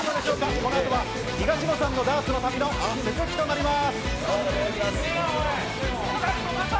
このあとは、東野さんのダーツの旅の続きとなります。